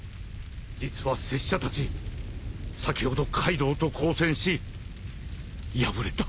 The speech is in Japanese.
実は拙者たち先ほどカイドウと交戦し敗れた。